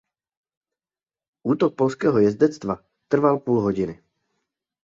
Útok polského jezdectva trval půl hodiny.